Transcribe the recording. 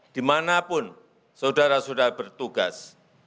dimanapun saudara saudara bertugas